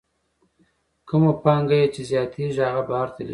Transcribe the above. کومه پانګه یې چې زیاتېږي هغه بهر ته لېږدوي